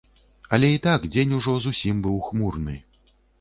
Але і так дзень ужо зусім быў хмурны.